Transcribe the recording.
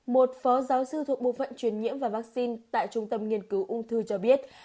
một phó giáo sư thuộc bộ phận truyền nhiễm và vaccine tại trung tâm nghiên cứu ung thư cho biết